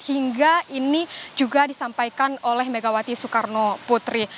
hingga ini juga disampaikan oleh megawati soekarno putri